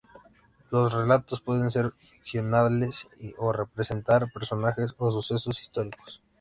Los relatos pueden ser ficcionales o representar personajes o sucesos históricos.